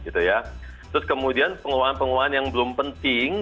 terus kemudian pengeluaran pengeluaran yang belum penting